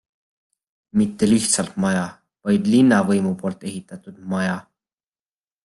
Mitte lihtsalt maja, vaid linnavõimu poolt ehitatud maja.